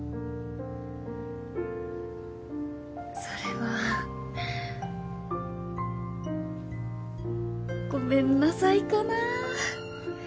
それは。ごめんなさいかな。